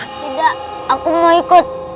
tidak aku mau ikut